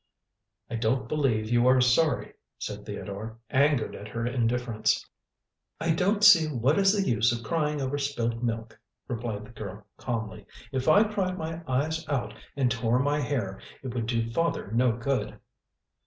"I don't believe you are sorry," said Theodore, angered at her indifference. "I don't see what is the use of crying over spilt milk," replied the girl calmly. "If I cried my eyes out and tore my hair, it would do father no good."